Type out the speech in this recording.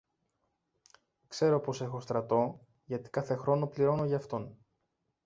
Ξέρω πως έχω στρατό, γιατί κάθε χρόνο πληρώνω γι' αυτόν.